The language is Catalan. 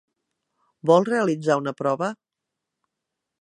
Vol realitzar una prova?